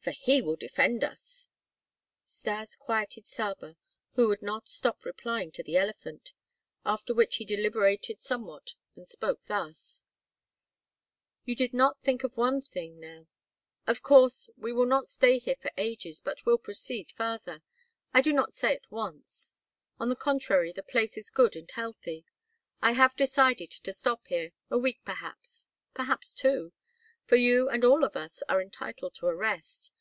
"For he will defend us." Stas quieted Saba, who would not stop replying to the elephant; after which he deliberated somewhat and spoke thus: "You did not think of one thing, Nell. Of course, we will not stay here for ages but will proceed farther; I do not say at once. On the contrary, the place is good and healthy; I have decided to stop here a week, perhaps, perhaps two, for you, and all of us as well, are entitled to a rest.